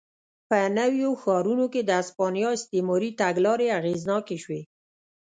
په نویو ښارونو کې د هسپانیا استعماري تګلارې اغېزناکې شوې.